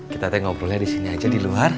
kita ngobrolnya di sini aja di luar